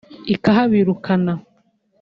ikahabirukana